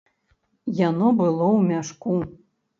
Яно было ў мяшку.